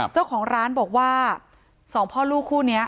เจ้าของร้านบอกว่าสองพ่อลูกคู่นี้